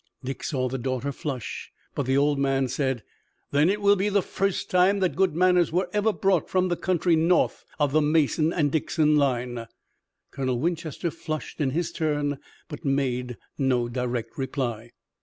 Dick saw the daughter flush, but the old man said: "Then it will be the first time that good manners were ever brought from the country north of the Mason and Dixon line." Colonel Winchester flushed in his turn, but made no direct reply.